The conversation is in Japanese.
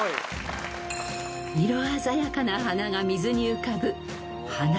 ［色鮮やかな花が水に浮かぶ］